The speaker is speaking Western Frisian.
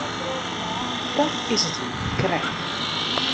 Dat is it him mar krekt.